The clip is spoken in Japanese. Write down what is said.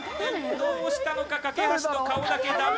どうしたのか掛橋の顔だけダメ。